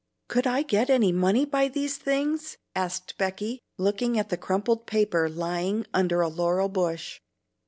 "Could I get any money by these things?" asked Becky, looking at the crumpled paper lying under a laurel bush.